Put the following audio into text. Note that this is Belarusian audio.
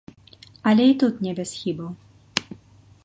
Але і тут не без хібаў.